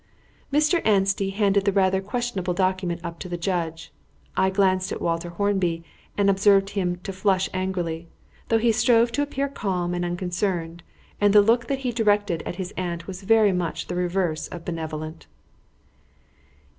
As Anstey handed the rather questionable document up to the judge, I glanced at Walter Hornby and observed him to flush angrily, though he strove to appear calm and unconcerned, and the look that he directed at his aunt was very much the reverse of benevolent.